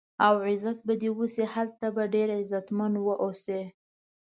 او عزت به دې وشي، هلته به ډېر عزتمن و اوسې.